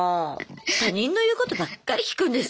他人の言うことばっかり聞くんですね